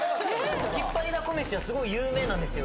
ひっぱりだこ飯はすごい有名なんですよ